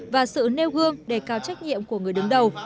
và sự nêu gương để cao trách nhiệm của người đứng đầu